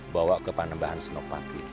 bawa ke panembahan senopati